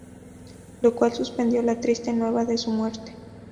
Lo cual suspendió la triste nueva de su muerte".